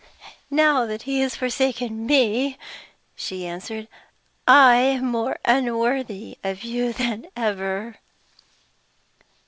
"Now that he has forsaken me," she answered, "I am more unworthy of you than ever!"